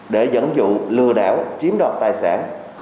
để dẫn dụ lừa đảo chiếm đặt tài sản